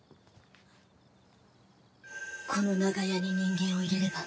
この長屋に人間を入れれば